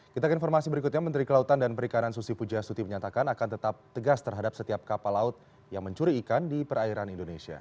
kita ke informasi berikutnya menteri kelautan dan perikanan susi pujastuti menyatakan akan tetap tegas terhadap setiap kapal laut yang mencuri ikan di perairan indonesia